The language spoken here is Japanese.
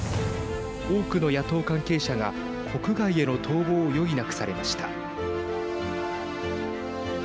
多くの野党関係者が国外への逃亡を余儀なくされました。